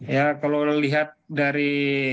ya kalau lihat dari